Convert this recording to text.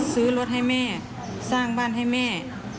ซื้อรถให้แม่สร้างบ้านให้แม่